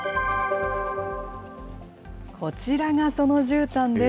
こちらがそのじゅうたんです。